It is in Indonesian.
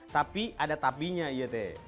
tapi ada tabinya iya teh